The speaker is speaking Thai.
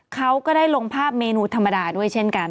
เขาก็ได้ลงภาพเมนูธรรมดาด้วยเช่นกัน